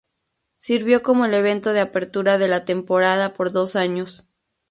Sirvió como el evento de apertura de la temporada por dos años.